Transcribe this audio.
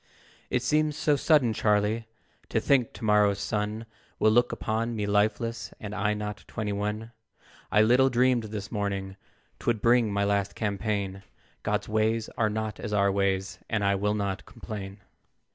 "It seems so sudden, Charlie, To think to morrow's sun Will look upon me lifeless, And I not twenty one! I little dreamed this morning, Twould bring my last campaign; God's ways are not as our ways, And I will not complain.